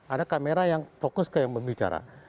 ada kamera yang fokus ke yang berbicara